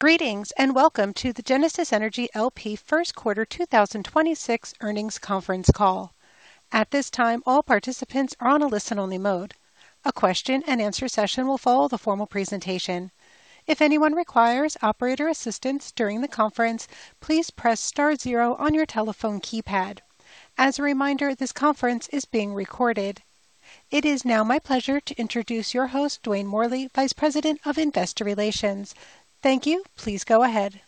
Greetings, and welcome to the Genesis Energy, L.P. first quarter 2026 earnings conference call. At this time, all participants are on a listen-only mode. A question-and-answer session will follow the formal presentation. If anyone requires operator assistance during the conference, please press star zero on your telephone keypad. As a reminder, this conference is being recorded. It is now my pleasure to introduce your host, Dwayne Morley, Vice President of Investor Relations. Thank you. Please go ahead.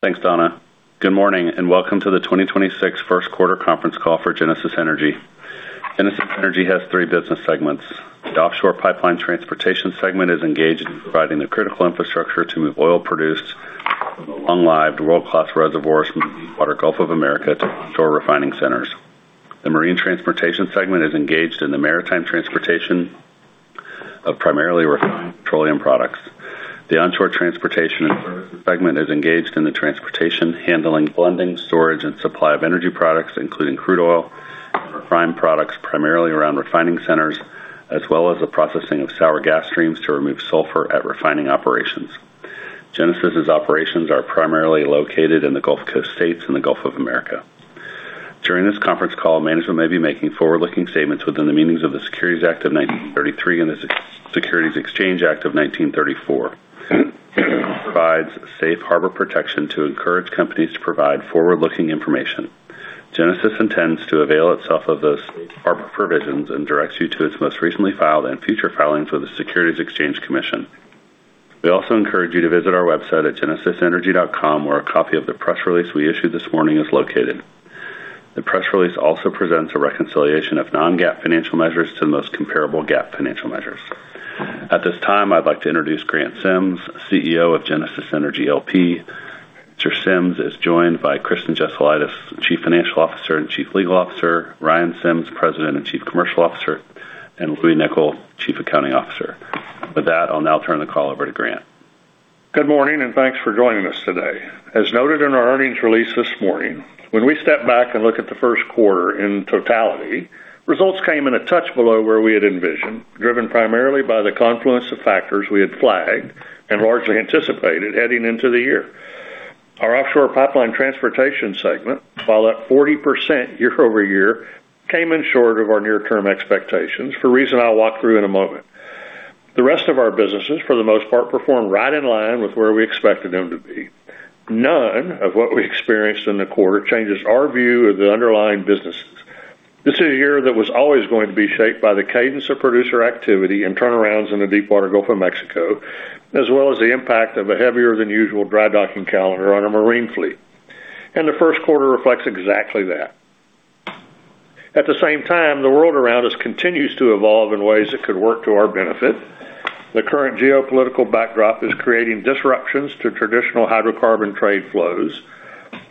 Thanks, Donna. Good morning, and welcome to the 2026 first quarter conference call for Genesis Energy. Genesis Energy has three business segments. The Offshore Pipeline Transportation segment is engaged in providing the critical infrastructure to move oil produced from online world-class reservoirs from the deepwater Gulf of America to onshore refining centers. The Marine Transportation segment is engaged in the maritime transportation of primarily refined petroleum products. The Onshore Transportation segment is engaged in the transportation, handling, blending, storage, and supply of energy products, including crude oil and refined products, primarily around refining centers, as well as the processing of sour gas streams to remove sulfur at refining operations. Genesis' operations are primarily located in the Gulf Coast states in the Gulf of America. During this conference call, management may be making forward-looking statements within the meanings of the Securities Act of 1933 and the Securities Exchange Act of 1934. Provides Safe Harbor protection to encourage companies to provide forward-looking information. Genesis intends to avail itself of those harbor provisions and directs you to its most recently filed and future filings with the Securities and Exchange Commission. We also encourage you to visit our website at genesisenergy.com, where a copy of the press release we issued this morning is located. The press release also presents a reconciliation of non-GAAP financial measures to the most comparable GAAP financial measures. At this time, I'd like to introduce Grant Sims, CEO of Genesis Energy, L.P. Mr. Sims is joined by Kristen Jesulaitis, Chief Financial Officer and Chief Legal Officer, Ryan Sims, President and Chief Commercial Officer, and Louie Nicol, Chief Accounting Officer. With that, I'll now turn the call over to Grant. Good morning. Thanks for joining us today. As noted in our earnings release this morning, when we step back and look at the first quarter in totality, results came in a touch below where we had envisioned, driven primarily by the confluence of factors we had flagged and largely anticipated heading into the year. Our Offshore Pipeline Transportation segment, while at 40% year-over-year, came in short of our near-term expectations for a reason I'll walk through in a moment. The rest of our businesses, for the most part, performed right in line with where we expected them to be. None of what we experienced in the quarter changes our view of the underlying businesses. This is a year that was always going to be shaped by the cadence of producer activity and turnarounds in the deepwater Gulf of America, as well as the impact of a heavier than usual dry docking calendar on a marine fleet. The first quarter reflects exactly that. At the same time, the world around us continues to evolve in ways that could work to our benefit. The current geopolitical backdrop is creating disruptions to traditional hydrocarbon trade flows.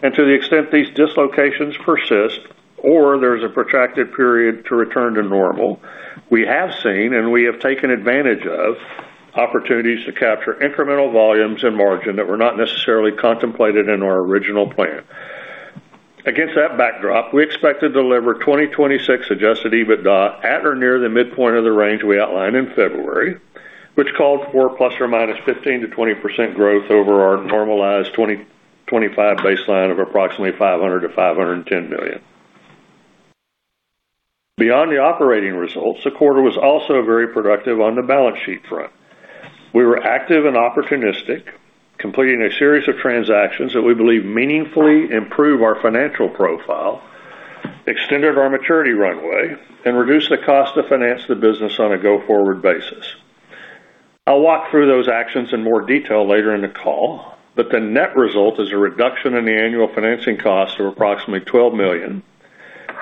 To the extent these dislocations persist or there's a protracted period to return to normal, we have seen and we have taken advantage of opportunities to capture incremental volumes and margin that were not necessarily contemplated in our original plan. Against that backdrop, we expect to deliver 2026 Adjusted EBITDA at or near the midpoint of the range we outlined in February, which called for ±15%-20% growth over our normalized 2025 baseline of approximately $500 million-$510 million. Beyond the operating results, the quarter was also very productive on the balance sheet front. We were active and opportunistic, completing a series of transactions that we believe meaningfully improve our financial profile, extended our maturity runway, and reduced the cost to finance the business on a go-forward basis. I'll walk through those actions in more detail later in the call, but the net result is a reduction in the annual financing cost of approximately $12 million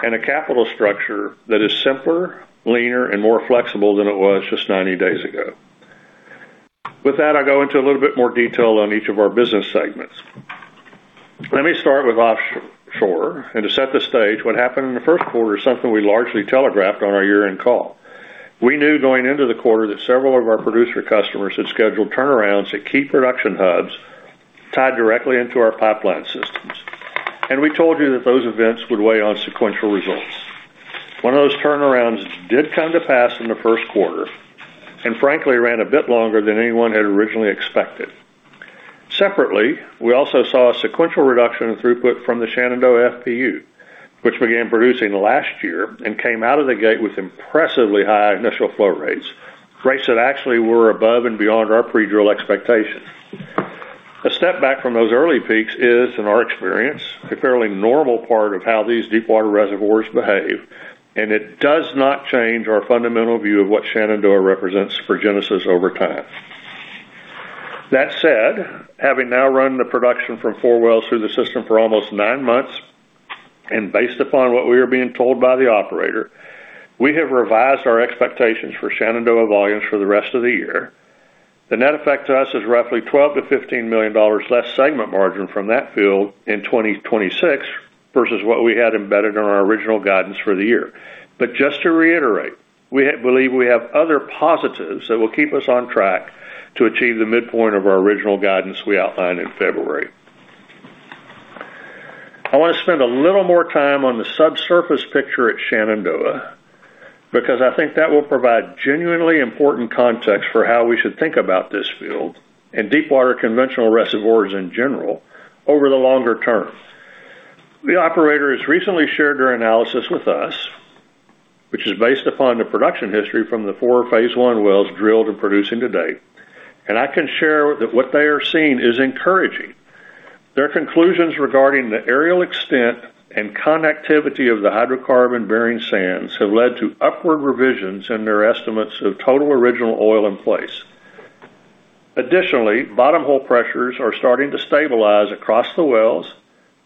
and a capital structure that is simpler, leaner, and more flexible than it was just 90 days ago. With that, I'll go into a little bit more detail on each of our business segments. Let me start with Offshore. To set the stage, what happened in the first quarter is something we largely telegraphed on our year-end call. We knew going into the quarter that several of our producer customers had scheduled turnarounds at key production hubs tied directly into our pipeline systems and we told you that those events would weigh on sequential results. One of those turnarounds did come to pass in the first quarter, and frankly, ran a bit longer than anyone had originally expected. Separately, we also saw a sequential reduction in throughput from the Shenandoah FPU, which began producing last year and came out of the gate with impressively high initial flow rates that actually were above and beyond our pre-drill expectations. A step back from those early peaks is, in our experience, a fairly normal part of how these deepwater reservoirs behave and it does not change our fundamental view of what Shenandoah represents for Genesis over time. That said, having now run the production from four wells through the system for almost nine months, based upon what we are being told by the operator, we have revised our expectations for Shenandoah volumes for the rest of the year. The net effect to us is roughly $12 million-$15 million less segment margin from that field in 2026 versus what we had embedded in our original guidance for the year, but just to reiterate, we believe we have other positives that will keep us on track to achieve the midpoint of our original guidance we outlined in February. I want to spend a little more time on the subsurface picture at Shenandoah because I think that will provide genuinely important context for how we should think about this field and deepwater conventional reservoirs in general over the longer term. The operator has recently shared their analysis with us, which is based upon the production history from the four Phase 1 wells drilled and producing to date. I can share that what they are seeing is encouraging. Their conclusions regarding the areal extent and connectivity of the hydrocarbon-bearing sands have led to upward revisions in their estimates of total original oil in place. Additionally, bottom hole pressures are starting to stabilize across the wells,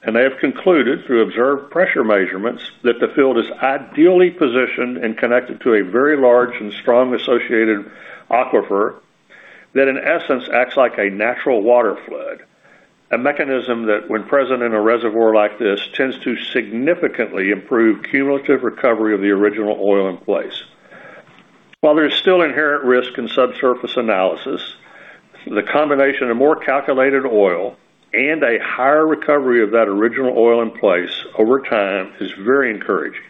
and they have concluded through observed pressure measurements that the field is ideally positioned and connected to a very large and strong associated aquifer that in essence acts like a natural water flood, a mechanism that when present in a reservoir like this tends to significantly improve cumulative recovery of the original oil in place. While there is still inherent risk in subsurface analysis, the combination of more calculated oil and a higher recovery of that original oil in place over time is very encouraging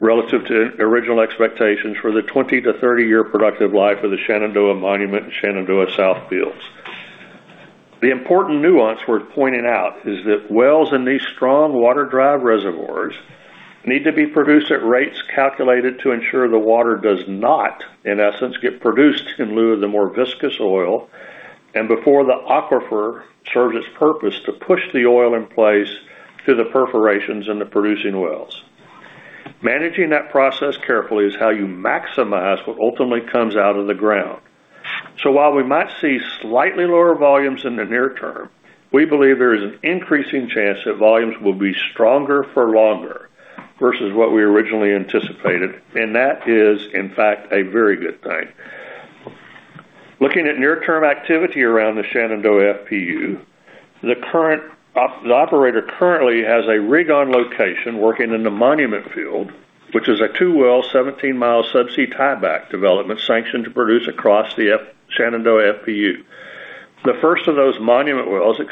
relative to original expectations for the 20-30-year productive life of the Shenandoah Monument and Shenandoah South fields. The important nuance worth pointing out is that wells in these strong water-drive reservoirs need to be produced at rates calculated to ensure the water does not, in essence, get produced in lieu of the more viscous oil and before the aquifer serves its purpose to push the oil in place to the perforations in the producing wells. Managing that process carefully is how you maximize what ultimately comes out of the ground. While we might see slightly lower volumes in the near term, we believe there is an increasing chance that volumes will be stronger for longer versus what we originally anticipated, and that is, in fact, a very good thing. Looking at near-term activity around the Shenandoah FPU, the current operator currently has a rig on location working in the Monument field, which is a two-well, 17-mi subsea tieback development sanctioned to produce across the Shenandoah FPU. The first of those Monument wells is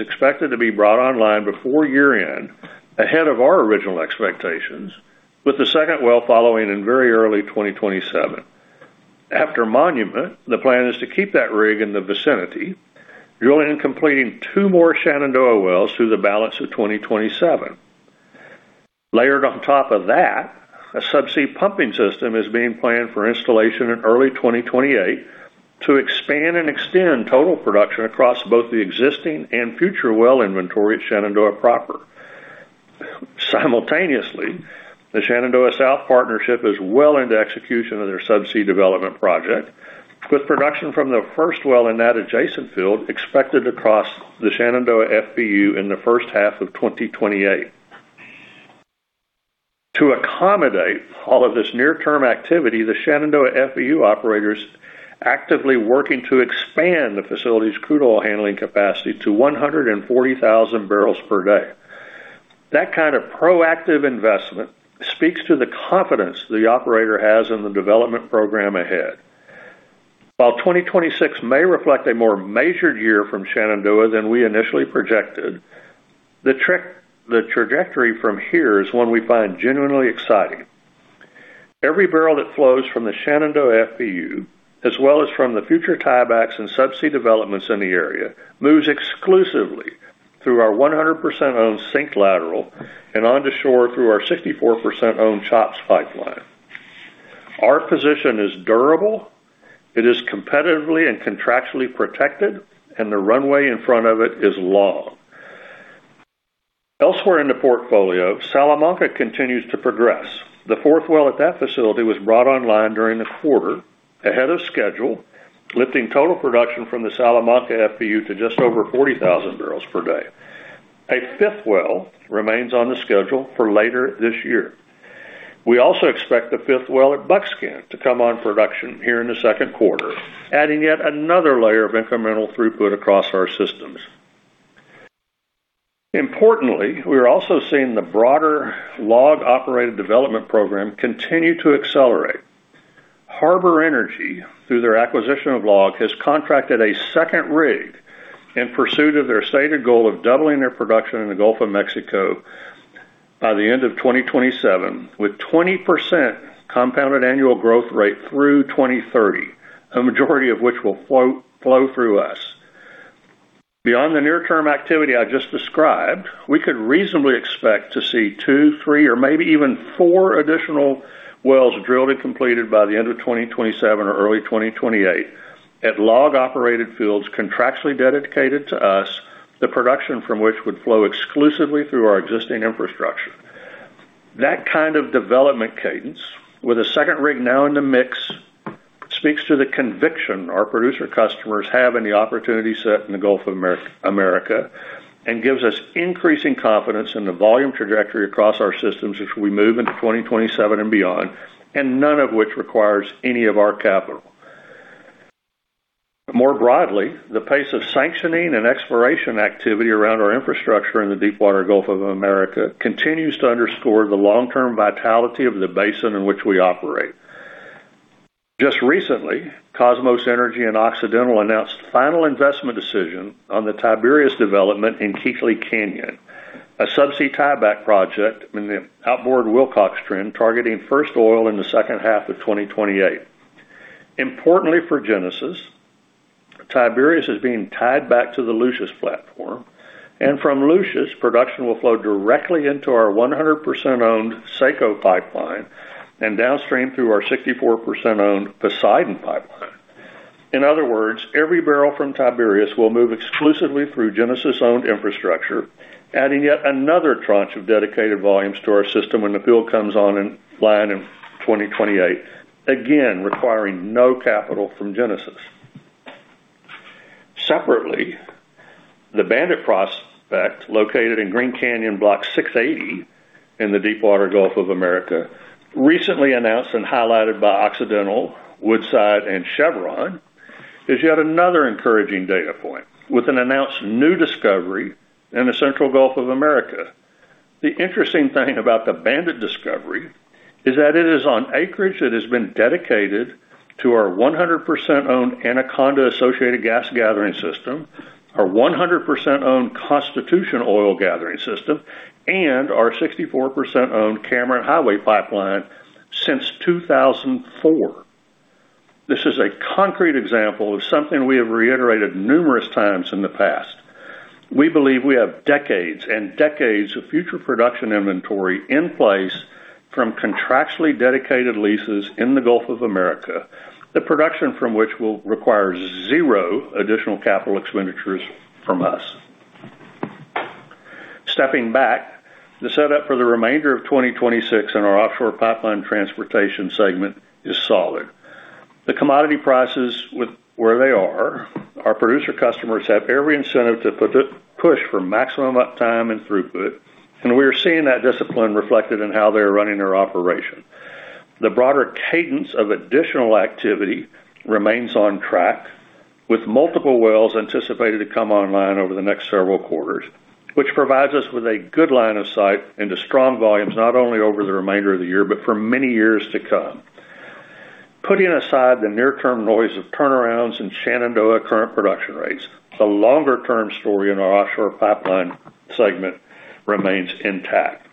expected to be brought online before year-end, ahead of our original expectations, with the second well following in very early 2027. After Monument, the plan is to keep that rig in the vicinity, drilling and completing two more Shenandoah wells through the balance of 2027. Layered on top of that, a subsea pumping system is being planned for installation in early 2028 to expand and extend total production across both the existing and future well inventory at Shenandoah proper. Simultaneously, the Shenandoah South partnership is well into execution of their subsea development project, with production from the first well in that adjacent field expected across the Shenandoah FPU in the first half of 2028. To accommodate all of this near-term activity, the Shenandoah FPU operator's actively working to expand the facility's crude oil handling capacity to 140,000 bpd. That kind of proactive investment speaks to the confidence the operator has in the development program ahead. While 2026 may reflect a more measured year from Shenandoah than we initially projected, the trajectory from here is one we find genuinely exciting. Every barrel that flows from the Shenandoah FPU, as well as from the future tiebacks and subsea developments in the area, moves exclusively through our 100% owned SYNC lateral and onto shore through our 64% owned CHOPS pipeline. Our position is durable, it is competitively and contractually protected, and the runway in front of it is long. Elsewhere in the portfolio, Salamanca continues to progress. The fourth well at that facility was brought online during the quarter ahead of schedule, lifting total production from the Salamanca FPU to just over 40,000 bpd day. A fifth well remains on the schedule for later this year. We also expect the fifth well at Buckskin to come on production here in the second quarter, adding yet another layer of incremental throughput across our systems. Importantly, we are also seeing the broader LLOG-operated development program continue to accelerate. Harbour Energy, through their acquisition of LLOG, has contracted a second rig in pursuit of their stated goal of doubling their production in the Gulf of Mexico by the end of 2027, with 20% compounded annual growth rate through 2030, a majority of which will flow through us. Beyond the near-term activity I just described, we could reasonably expect to see two, three or maybe even four additional wells drilled and completed by the end of 2027 or early 2028 at LLOG-operated fields contractually dedicated to us, the production from which would flow exclusively through our existing infrastructure. That kind of development cadence, with a second rig now in the mix, speaks to the conviction our producer customers have in the opportunity set in the Gulf of America and gives us increasing confidence in the volume trajectory across our systems as we move into 2027 and beyond and none of which requires any of our capital. More broadly, the pace of sanctioning and exploration activity around our infrastructure in the deepwater Gulf of America continues to underscore the long-term vitality of the basin in which we operate. Just recently, Kosmos Energy and Occidental announced final investment decision on the Tiberius development in Keathley Canyon, a subsea tieback project in the outboard Wilcox Trend, targeting first oil in the second half of 2028. Importantly for Genesis, Tiberius is being tied back to the Lucius platform, and from Lucius, production will flow directly into our 100% owned SEKCO pipeline and downstream through our 64% owned Poseidon pipeline. In other words, every barrel from Tiberius will move exclusively through Genesis-owned infrastructure, adding yet another tranche of dedicated volumes to our system when the field comes on in line in 2028. Again, requiring no capital from Genesis. Separately, the Bandit prospect, located in Green Canyon Block 680 in the deepwater Gulf of America, recently announced and highlighted by Occidental, Woodside, and Chevron, is yet another encouraging data point with an announced new discovery in the central Gulf of America. The interesting thing about the Bandit discovery is that it is on acreage that has been dedicated to our 100% owned Anaconda associated gas gathering system, our 100% owned Constitution oil gathering system, and our 64% owned Cameron Highway pipeline since 2004. This is a concrete example of something we have reiterated numerous times in the past. We believe we have decades and decades of future production inventory in place from contractually dedicated leases in the Gulf of America the production from which will require zero additional capital expenditures from us. Stepping back, the setup for the remainder of 2026 in our Offshore Pipeline Transportation segment is solid. The commodity prices with where they are, our producer customers have every incentive to put the push for maximum uptime and throughput. We are seeing that discipline reflected in how they are running their operation. The broader cadence of additional activity remains on track, with multiple wells anticipated to come online over the next several quarters, which provides us with a good line of sight into strong volumes, not only over the remainder of the year, but for many years to come. Putting aside the near-term noise of turnarounds in Shenandoah current production rates, the longer-term story in our Offshore Pipeline segment remains intact.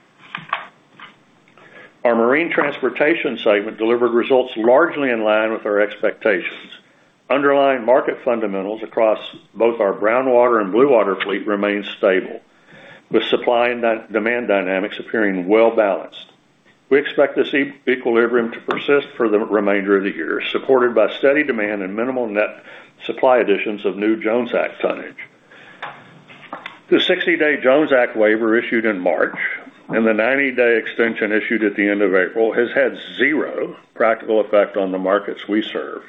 Our Marine Transportation segment delivered results largely in line with our expectations. Underlying market fundamentals across both our brown water and blue water fleet remain stable, with supply and demand dynamics appearing well balanced. We expect this equilibrium to persist for the remainder of the year, supported by steady demand and minimal net supply additions of new Jones Act tonnage. The 60-day Jones Act waiver issued in March and the 90-day extension issued at the end of April has had zero practical effect on the markets we serve,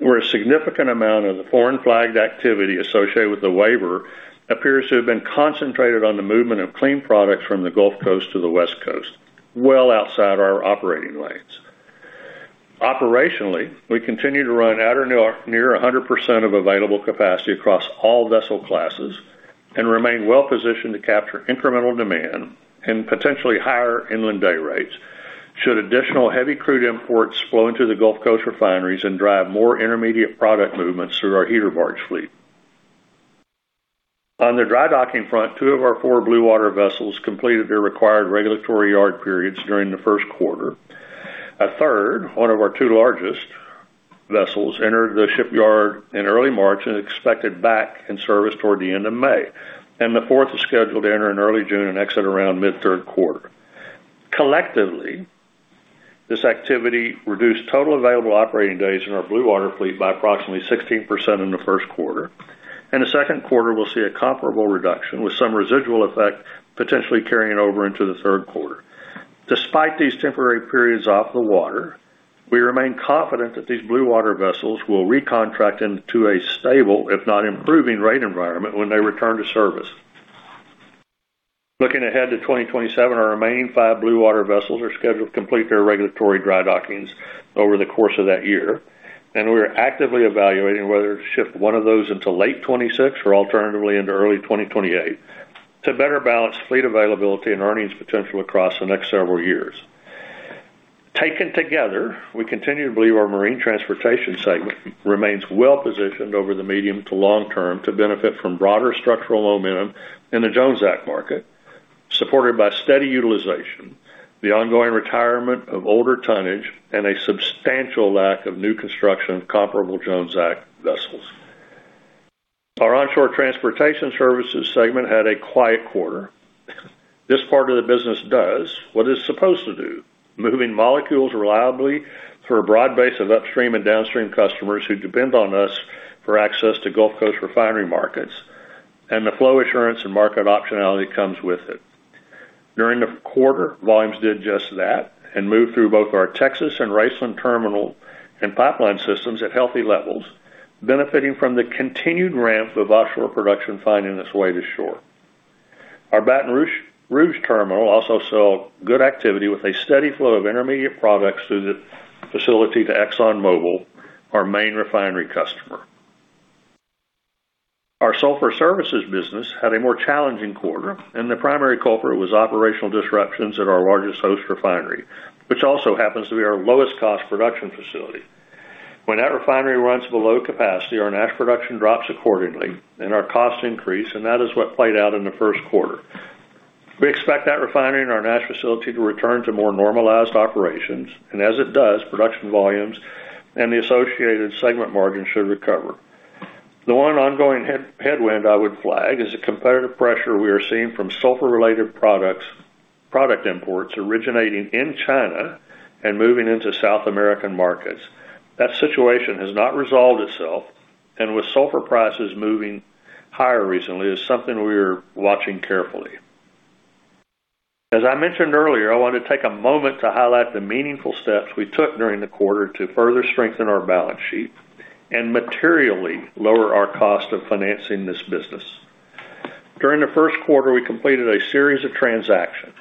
where a significant amount of the foreign-flagged activity associated with the waiver appears to have been concentrated on the movement of clean products from the Gulf Coast to the West Coast, well outside our operating lanes. Operationally, we continue to run at or near 100% of available capacity across all vessel classes and remain well positioned to capture incremental demand and potentially higher inland day rates should additional heavy crude imports flow into the Gulf Coast refineries and drive more intermediate product movements through our heater barge fleet. On the dry docking front, two of our four blue water vessels completed their required regulatory yard periods during the first quarter. A third, one of our two largest vessels, entered the shipyard in early March and expected back in service toward the end of May and the fourth is scheduled to enter in early June and exit around mid third quarter. Collectively, this activity reduced total available operating days in our blue water fleet by approximately 16% in the first quarter. In the second quarter, we'll see a comparable reduction, with some residual effect potentially carrying over into the third quarter. Despite these temporary periods off the water, we remain confident that these blue water vessels will recontract into a stable, if not improving, rate environment when they return to service. Looking ahead to 2027, our remaining five blue water vessels are scheduled to complete their regulatory dry dockings over the course of that year, and we are actively evaluating whether to shift one of those into late 2026 or alternatively into early 2028 to better balance fleet availability and earnings potential across the next several years. Taken together, we continue to believe our Marine Transportation segment remains well-positioned over the medium to long term to benefit from broader structural momentum in the Jones Act market, supported by steady utilization, the ongoing retirement of older tonnage, and a substantial lack of new construction of comparable Jones Act vessels. Our Onshore Transportation Services segment had a quiet quarter. This part of the business does what it's supposed to do, moving molecules reliably through a broad base of upstream and downstream customers who depend on us for access to Gulf Coast refinery markets and the flow assurance and market optionality comes with it. During the quarter, volumes did just that and moved through both our Texas and Raceland Terminal and pipeline systems at healthy levels, benefiting from the continued ramp of offshore production finding its way to shore. Our Baton Rouge Terminal also saw good activity with a steady flow of intermediate products through the facility to ExxonMobil, our main refinery customer. Sulfur services business had a more challenging quarter. The primary culprit was operational disruptions at our largest host refinery, which also happens to be our lowest cost production facility. When that refinery runs below capacity, our NaHS production drops accordingly and our costs increase, and that is what played out in the first quarter. We expect that refinery and our NaHS facility to return to more normalized operations, and as it does, production volumes and the associated segment margin should recover. The one ongoing headwind I would flag is the competitive pressure we are seeing from sulfur-related products, product imports originating in China and moving into South American markets. That situation has not resolved itself, and with sulfur prices moving higher recently, is something we are watching carefully. As I mentioned earlier, I want to take a moment to highlight the meaningful steps we took during the quarter to further strengthen our balance sheet and materially lower our cost of financing this business. During the first quarter, we completed a series of transactions.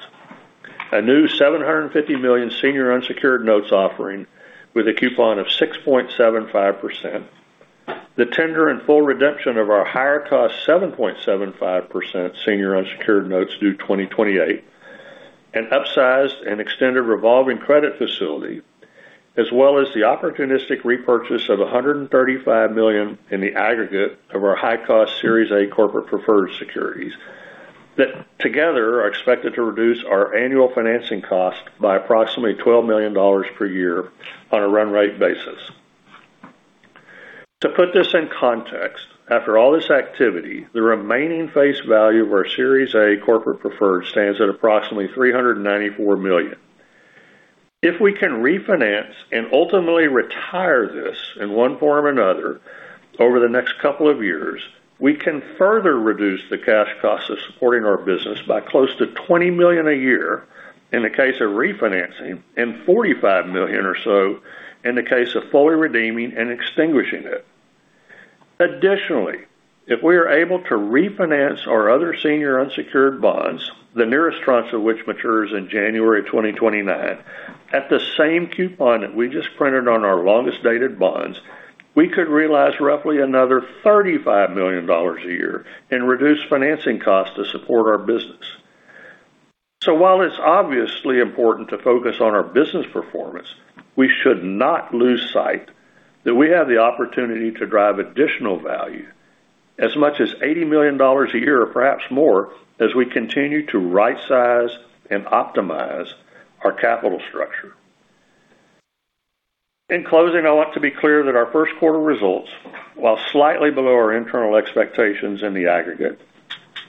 A new $750 million senior unsecured notes offering with a coupon of 6.75%. The tender and full redemption of our higher cost 7.75% senior unsecured notes due 2028. An upsized and extended revolving credit facility. The opportunistic repurchase of $135 million in the aggregate of our high cost Series A corporate preferred securities. That together are expected to reduce our annual financing cost by approximately $12 million per year on a run rate basis. To put this in context, after all this activity, the remaining face value of our Series A corporate preferred stands at approximately $394 million. If we can refinance and ultimately retire this in one form or another over the next couple of years, we can further reduce the cash costs of supporting our business by close to $20 million a year in the case of refinancing and $45 million or so in the case of fully redeeming and extinguishing it. Additionally, if we are able to refinance our other senior unsecured bonds, the nearest tranche of which matures in January 2029, at the same coupon that we just printed on our longest dated bonds, we could realize roughly another $35 million a year and reduce financing costs to support our business. While it's obviously important to focus on our business performance, we should not lose sight that we have the opportunity to drive additional value as much as $80 million a year or perhaps more as we continue to rightsize and optimize our capital structure. In closing, I want to be clear that our first quarter results, while slightly below our internal expectations in the aggregate,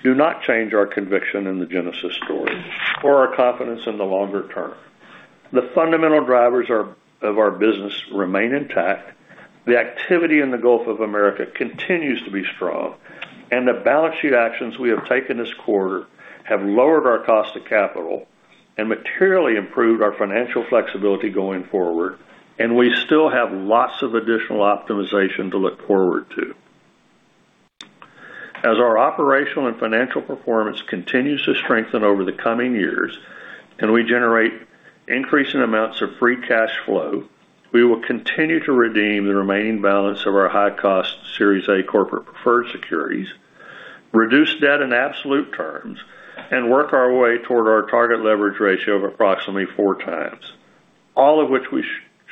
do not change our conviction in the Genesis story or our confidence in the longer term. The fundamental drivers of our business remain intact. The activity in the Gulf of America continues to be strong, and the balance sheet actions we have taken this quarter have lowered our cost of capital and materially improved our financial flexibility going forward, and we still have lots of additional optimization to look forward to. As our operational and financial performance continues to strengthen over the coming years and we generate increasing amounts of free cash flow, we will continue to redeem the remaining balance of our high cost Series A corporate preferred securities, reduce debt in absolute terms, and work our way toward our target leverage ratio of approximately 4x. All of which we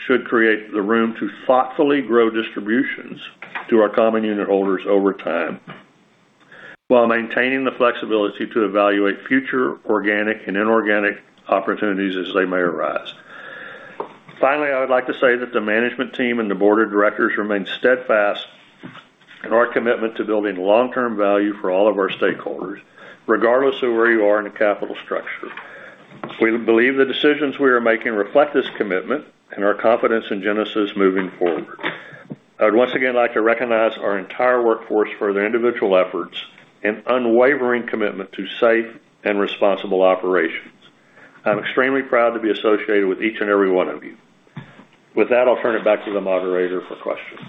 should create the room to thoughtfully grow distributions to our common unit holders over time, while maintaining the flexibility to evaluate future organic and inorganic opportunities as they may arise. Finally, I would like to say that the management team and the Board of Directors remain steadfast in our commitment to building long-term value for all of our stakeholders, regardless of where you are in the capital structure. We believe the decisions we are making reflect this commitment and our confidence in Genesis moving forward. I would once again like to recognize our entire workforce for their individual efforts and unwavering commitment to safe and responsible operations. I'm extremely proud to be associated with each and every one of you. With that, I'll turn it back to the moderator for questions.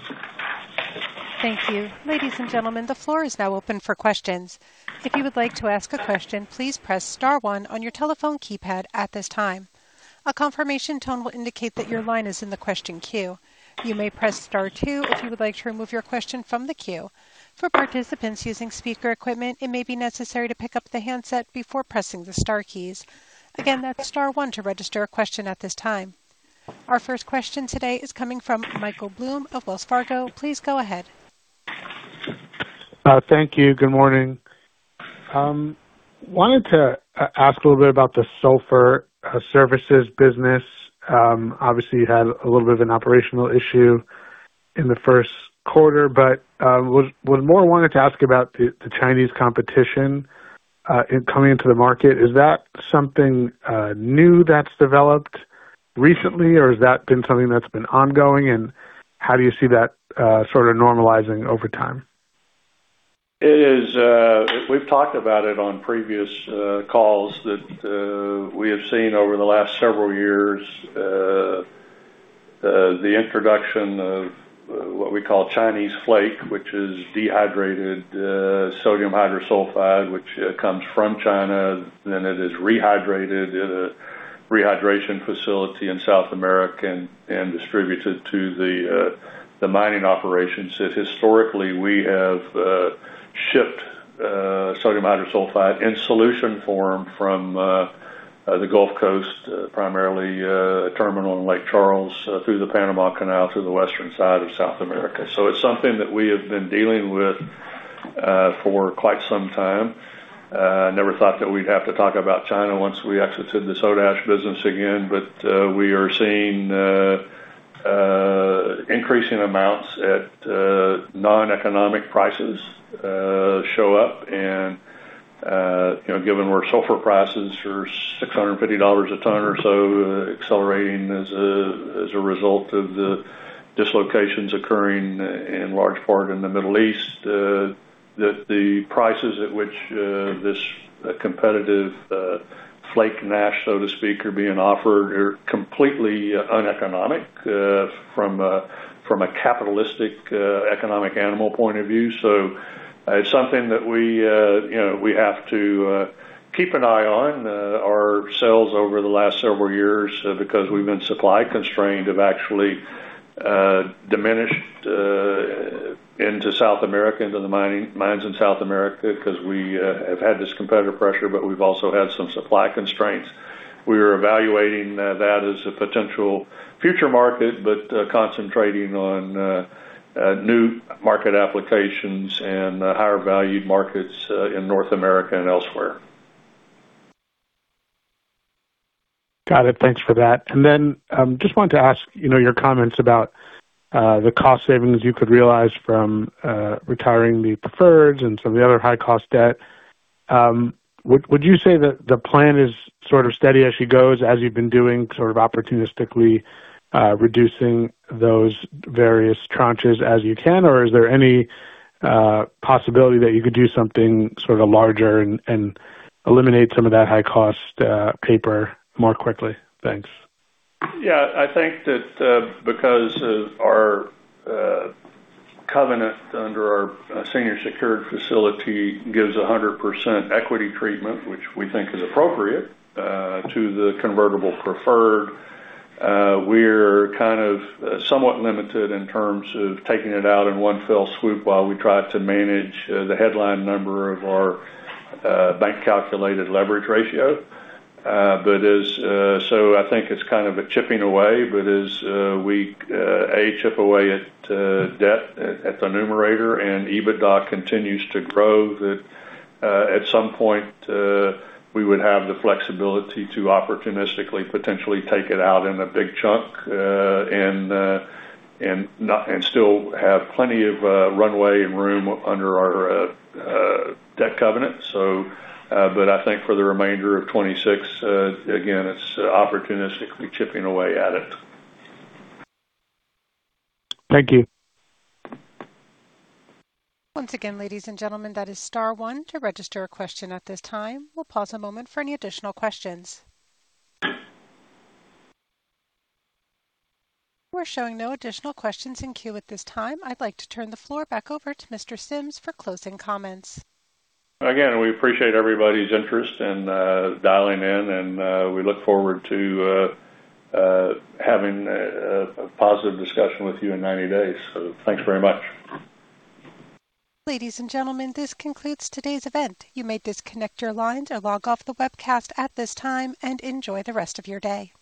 Thank you. Ladies and gentlemen, the floor is now open for questions. If you would like to ask a question, please press star one on your telephone keypad at this time. A confirmation tone will indicate that your line is in the question queue. You may press star two if you would like to remove your question from the queue. For participants using speaker equipment, it may be necessary to pick up the handset before pressing the star keys. Again, that's star one to register a question at this time. Our first question today is coming from Michael Blum of Wells Fargo. Please go ahead. Thank you. Good morning. Wanted to ask a little bit about the sulfur services business. Obviously, you had a little bit of an operational issue in the first quarter, but was more wanting to ask about the Chinese competition in coming into the market. Is that something new that's developed recently, or has that been something that's been ongoing, and how do you see that sort of normalizing over time? It is, we've talked about it on previous calls that, we have seen over the last several years, the introduction of, what we call Chinese flake, which is dehydrated, sodium hydrosulfide, which, comes from China, then it is rehydrated, rehydration facility in South America and distributes it to the mining operations that historically we have, shipped, sodium hydrosulfide in solution form from, the Gulf Coast, primarily, terminal in Lake Charles, through the Panama Canal through the western side of South America. It's something that we have been dealing with, for quite some time. Never thought that we'd have to talk about China once we exited the soda ash business again. We are seeing, increasing amounts at, noneconomic prices, show up. You know, given where sulfur prices are $650 a ton or so, accelerating as a result of the dislocations occurring in large part in the Middle East, the prices at which this competitive flake NaHS, so to speak, are being offered are completely uneconomic from a capitalistic, economic animal point of view. It's something that we, you know, we have to keep an eye on. Our sales over the last several years, because we've been supply constrained, have actually diminished into South America, into the mines in South America because we have had this competitive pressure, but we've also had some supply constraints. We are evaluating that as a potential future market, but concentrating on new market applications and higher-valued markets in North America and elsewhere. Got it. Thanks for that. Just wanted to ask, you know, your comments about the cost savings you could realize from retiring the preferreds and some of the other high cost debt. Would you say that the plan is sort of steady as she goes, as you've been doing sort of opportunistically reducing those various tranches as you can, or is there any possibility that you could do something sort of larger and eliminate some of that high cost paper more quickly? Thanks. Yeah. I think that, because of our covenant under our senior secured facility gives 100% equity treatment, which we think is appropriate, to the convertible preferred, we're kind of somewhat limited in terms of taking it out in one fell swoop while we try to manage the headline number of our bank calculated leverage ratio. I think it's kind of a chipping away, but as we chip away at debt at the numerator and EBITDA continues to grow, that at some point we would have the flexibility to opportunistically potentially take it out in a big chunk, and still have plenty of runway and room under our debt covenant. I think for the remainder of 2026, again, it's opportunistically chipping away at it. Thank you. Once again, ladies and gentlemen, that is star one to register a question at this time. We'll pause a moment for any additional questions. We're showing no additional questions in queue at this time. I'd like to turn the floor back over to Mr. Sims for closing comments. Again, we appreciate everybody's interest in dialing in, and we look forward to having a positive discussion with you in 90 days. Thanks very much. Ladies and gentlemen, this concludes today's event. You may disconnect your lines or log off the webcast at this time, and enjoy the rest of your day.